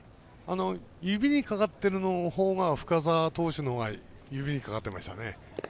指にかかってるフォームは深沢投手のほうが指にかかってましたね。